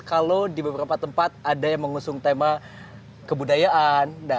kalau di beberapa tempat ada yang mengusung tema kebudayaan